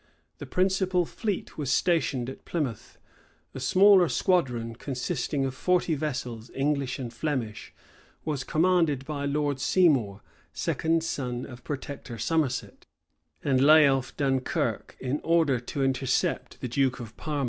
The principal fleet was stationed at Plymouth. A smaller squadron, consisting of forty vessels, English and Flemish, was commanded by Lord Seymour, second son of Protector Somerset; and lay off Dunkirk, in order to intercept the duke of Parma.